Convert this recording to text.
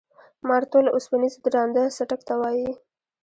مارتول اوسپنیز درانده څټک ته وایي.